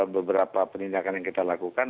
beberapa penindakan yang kita lakukan